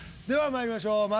ではまいりましょう。